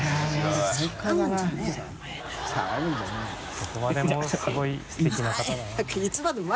どこまでもすごいすてきな方だな。